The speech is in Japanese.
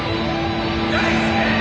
大輔！